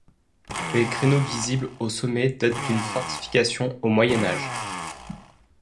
Les créneaux visibles au sommet datent d'une fortification au Moyen-âge.